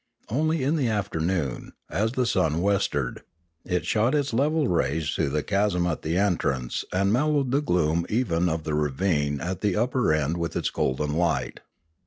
Only in the afternoon, as the sun westered, it shot its level rays through the chasm at the entrance, and mel lowed the gloom even of the ravine at the upper end with its golden light.